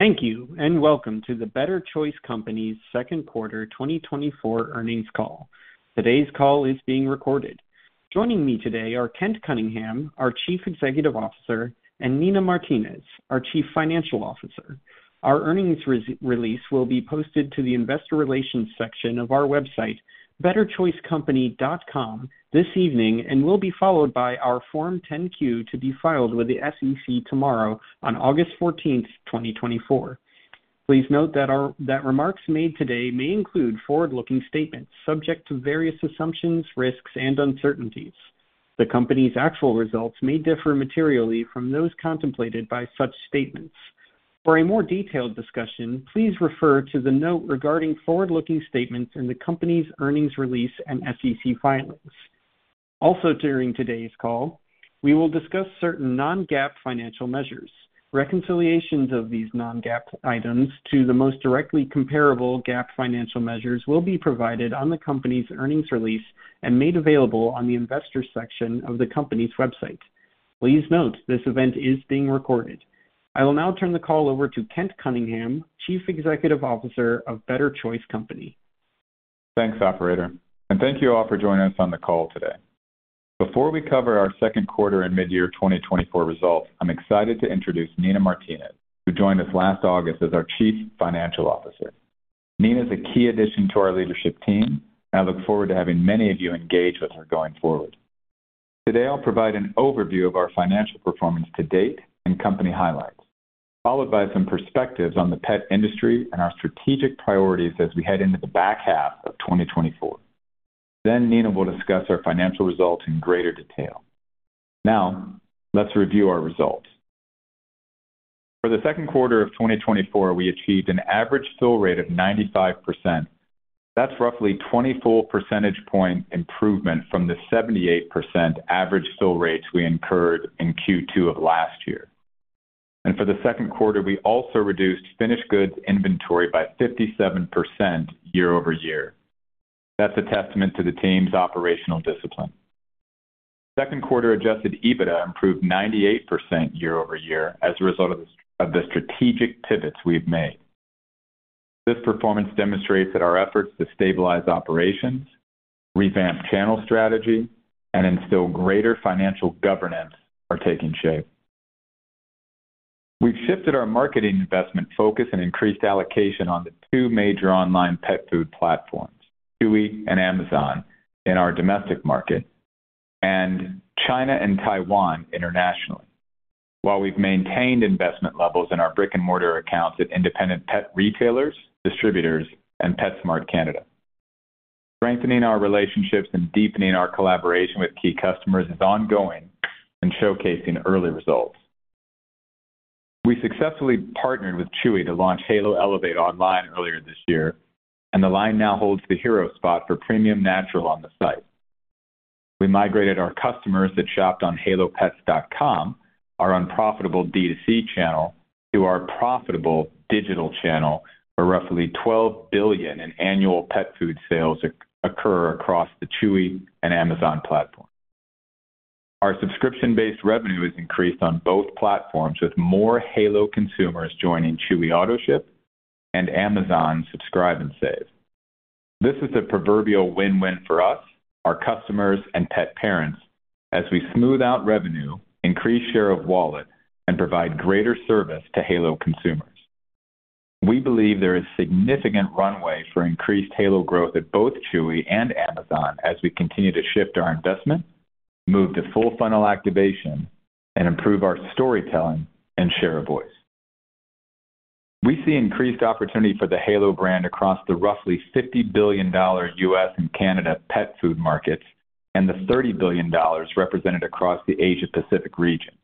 Thank you, and welcome to the Better Choice Company's second quarter 2024 earnings call. Today's call is being recorded. Joining me today are Kent Cunningham, our Chief Executive Officer, and Nina Martinez, our Chief Financial Officer. Our earnings release will be posted to the Investor Relations section of our website, betterchoicecompany.com, this evening and will be followed by our Form 10-Q to be filed with the SEC tomorrow on August 14, 2024. Please note that our remarks made today may include forward-looking statements subject to various assumptions, risks, and uncertainties. The company's actual results may differ materially from those contemplated by such statements. For a more detailed discussion, please refer to the note regarding forward-looking statements in the company's earnings release and SEC filings. Also, during today's call, we will discuss certain non-GAAP financial measures. Reconciliations of these non-GAAP items to the most directly comparable GAAP financial measures will be provided on the company's earnings release and made available on the Investors section of the company's website. Please note, this event is being recorded. I will now turn the call over to Kent Cunningham, Chief Executive Officer of Better Choice Company. Thanks, operator, and thank you all for joining us on the call today. Before we cover our second quarter and midyear 2024 results, I'm excited to introduce Nina Martinez, who joined us last August as our Chief Financial Officer. Nina is a key addition to our leadership team, and I look forward to having many of you engage with her going forward. Today, I'll provide an overview of our financial performance to date and company highlights, followed by some perspectives on the pet industry and our strategic priorities as we head into the back half of 2024. Then Nina will discuss our financial results in greater detail. Now, let's review our results. For the second quarter of 2024, we achieved an average fill rate of 95%. That's roughly 20 full percentage point improvement from the 78% average fill rates we incurred in Q2 of last year. For the second quarter, we also reduced finished goods inventory by 57% year-over-year. That's a testament to the team's operational discipline. Second quarter adjusted EBITDA improved 98% year-over-year as a result of the strategic pivots we've made. This performance demonstrates that our efforts to stabilize operations, revamp channel strategy, and instill greater financial governance are taking shape. We've shifted our marketing investment focus and increased allocation on the two major online pet food platforms, Chewy and Amazon, in our domestic market and China and Taiwan internationally. While we've maintained investment levels in our brick-and-mortar accounts at independent pet retailers, distributors, and PetSmart Canada. Strengthening our relationships and deepening our collaboration with key customers is ongoing and showcasing early results. We successfully partnered with Chewy to launch Halo Elevate online earlier this year, and the line now holds the hero spot for premium natural on the site. We migrated our customers that shopped on halopets.com, our unprofitable D2C channel, to our profitable digital channel, where roughly $12 billion in annual pet food sales occur across the Chewy and Amazon platform. Our subscription-based revenue has increased on both platforms, with more Halo consumers joining Chewy Autoship and Amazon Subscribe & Save. This is a proverbial win-win for us, our customers, and pet parents as we smooth out revenue, increase share of wallet, and provide greater service to Halo consumers. We believe there is significant runway for increased Halo growth at both Chewy and Amazon as we continue to shift our investment, move to full funnel activation, and improve our storytelling and share of voice. We see increased opportunity for the Halo brand across the roughly $50 billion U.S. and Canada pet food markets and the $30 billion represented across the Asia Pacific region.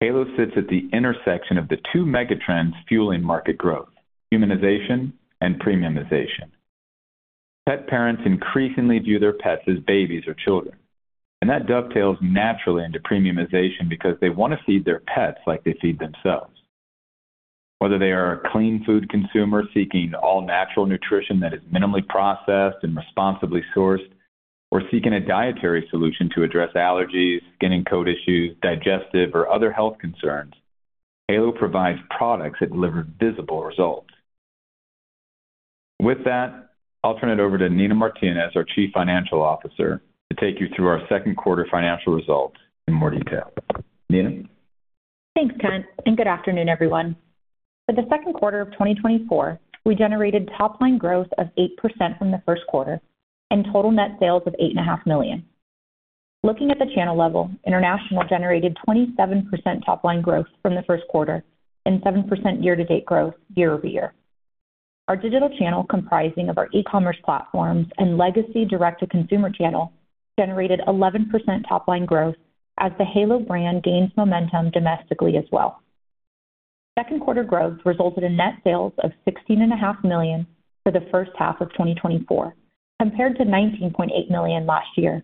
Halo sits at the intersection of the two megatrends fueling market growth, humanization and premiumization. Pet parents increasingly view their pets as babies or children, and that dovetails naturally into premiumization because they want to feed their pets like they feed themselves. Whether they are a clean food consumer seeking all-natural nutrition that is minimally processed and responsibly sourced, or seeking a dietary solution to address allergies, skin and coat issues, digestive or other health concerns, Halo provides products that deliver visible results. With that, I'll turn it over to Nina Martinez, our Chief Financial Officer, to take you through our second quarter financial results in more detail. Nina? Thanks, Kent, and good afternoon, everyone. For the second quarter of 2024, we generated top-line growth of 8% from the first quarter and total net sales of $8.5 million. Looking at the channel level, international generated 27% top-line growth from the first quarter and 7% year-to-date growth year-over-year. Our digital channel, comprising of our e-commerce platforms and legacy direct-to-consumer channel, generated 11% top-line growth as the Halo brand gains momentum domestically as well. Second quarter growth resulted in net sales of $16.5 million for the first half of 2024, compared to $19.8 million last year.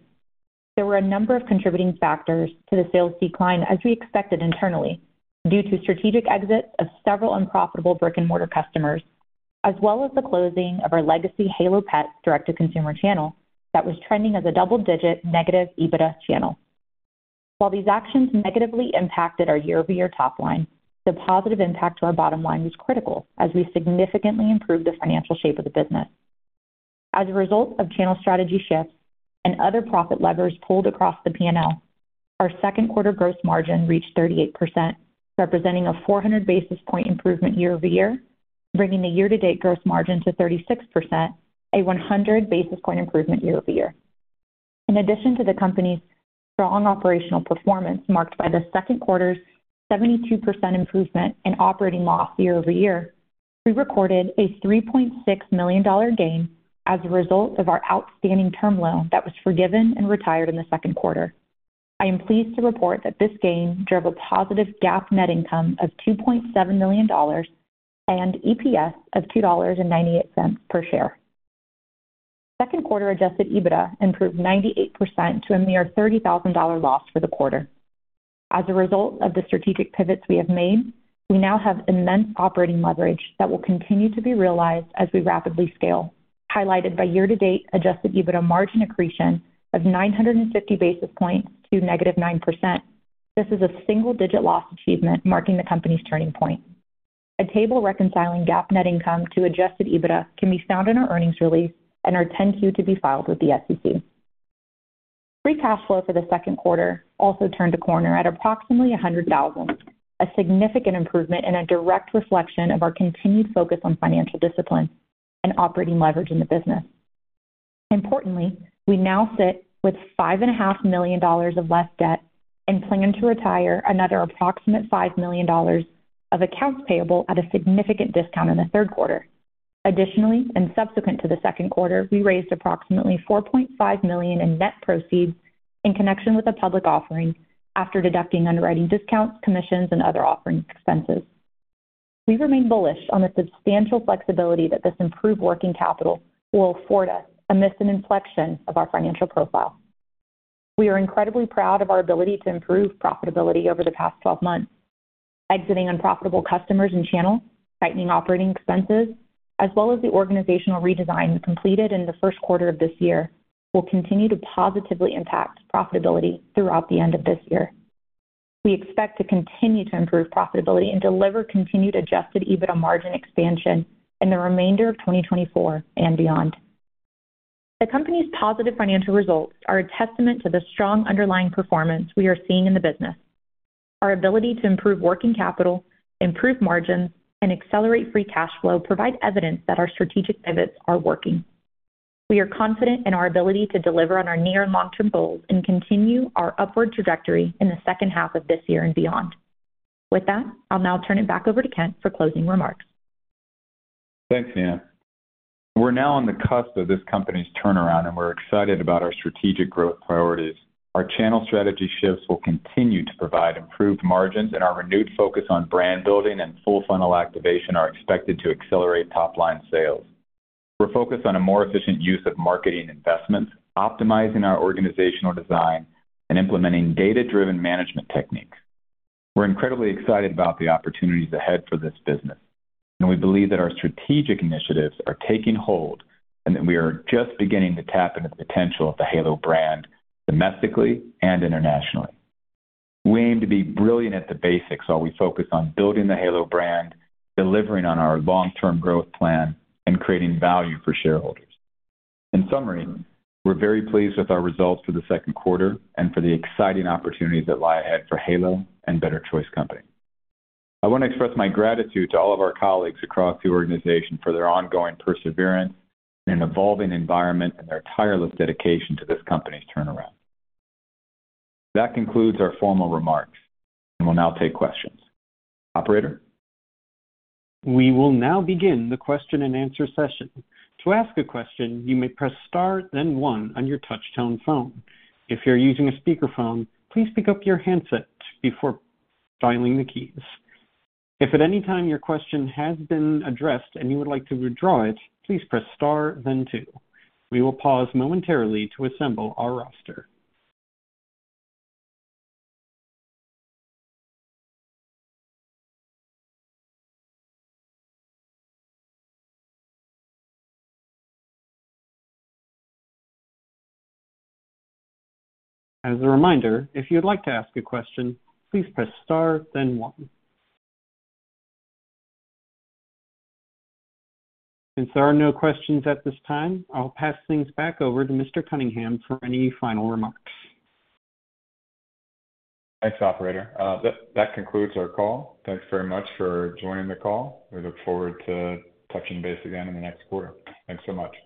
There were a number of contributing factors to the sales decline, as we expected internally, due to strategic exits of several unprofitable brick-and-mortar customers, as well as the closing of our legacy Halo Pets direct-to-consumer channel that was trending as a double-digit negative EBITDA channel. While these actions negatively impacted our year-over-year top line, the positive impact to our bottom line was critical as we significantly improved the financial shape of the business. As a result of channel strategy shifts and other profit levers pulled across the P&L, our second quarter gross margin reached 38%, representing a 400 basis point improvement year-over-year, bringing the year-to-date gross margin to 36%, a 100 basis point improvement year-over-year. In addition to the company's strong operational performance, marked by the second quarter's 72% improvement in operating loss year-over-year, we recorded a $3.6 million gain as a result of our outstanding term loan that was forgiven and retired in the second quarter. I am pleased to report that this gain drove a positive GAAP net income of $2.7 million and EPS of $2.98 per share. Second quarter adjusted EBITDA improved 98% to a mere $30,000 loss for the quarter. As a result of the strategic pivots we have made, we now have immense operating leverage that will continue to be realized as we rapidly scale, highlighted by year-to-date adjusted EBITDA margin accretion of 950 basis points to -9%. This is a single-digit loss achievement marking the company's turning point. A table reconciling GAAP net income to adjusted EBITDA can be found in our earnings release and our 10-Q to be filed with the SEC. Free cash flow for the second quarter also turned a corner at approximately $100,000, a significant improvement and a direct reflection of our continued focus on financial discipline and operating leverage in the business. Importantly, we now sit with $5.5 million of less debt and plan to retire another approximate $5 million of accounts payable at a significant discount in the third quarter. Additionally, and subsequent to the second quarter, we raised approximately $4.5 million in net proceeds in connection with a public offering after deducting underwriting discounts, commissions, and other offering expenses. We remain bullish on the substantial flexibility that this improved working capital will afford us amidst an inflection of our financial profile. We are incredibly proud of our ability to improve profitability over the past 12 months. Exiting unprofitable customers and channels, tightening operating expenses, as well as the organizational redesign completed in the first quarter of this year, will continue to positively impact profitability throughout the end of this year. We expect to continue to improve profitability and deliver continued adjusted EBITDA margin expansion in the remainder of 2024 and beyond. The company's positive financial results are a testament to the strong underlying performance we are seeing in the business. Our ability to improve working capital, improve margins, and accelerate free cash flow provide evidence that our strategic pivots are working. We are confident in our ability to deliver on our near and long-term goals and continue our upward trajectory in the second half of this year and beyond. With that, I'll now turn it back over to Kent for closing remarks. Thanks, Nina. We're now on the cusp of this company's turnaround, and we're excited about our strategic growth priorities. Our channel strategy shifts will continue to provide improved margins, and our renewed focus on brand building and full funnel activation are expected to accelerate top-line sales. We're focused on a more efficient use of marketing investments, optimizing our organizational design, and implementing data-driven management techniques. We're incredibly excited about the opportunities ahead for this business, and we believe that our strategic initiatives are taking hold and that we are just beginning to tap into the potential of the Halo brand domestically and internationally. We aim to be brilliant at the basics while we focus on building the Halo brand, delivering on our long-term growth plan, and creating value for shareholders. In summary, we're very pleased with our results for the second quarter and for the exciting opportunities that lie ahead for Halo and Better Choice Company. I want to express my gratitude to all of our colleagues across the organization for their ongoing perseverance in an evolving environment and their tireless dedication to this company's turnaround. That concludes our formal remarks, and we'll now take questions. Operator? We will now begin the question-and-answer session. To ask a question, you may press Star, then One on your touchtone phone. If you're using a speakerphone, please pick up your handset before dialing the keys. If at any time your question has been addressed and you would like to withdraw it, please press Star then Two. We will pause momentarily to assemble our roster. As a reminder, if you'd like to ask a question, please press Star, then One. Since there are no questions at this time, I'll pass things back over to Mr. Cunningham for any final remarks. Thanks, operator. That concludes our call. Thanks very much for joining the call. We look forward to touching base again in the next quarter. Thanks so much.